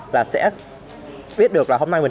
và sẽ biết được là hôm nay có đi học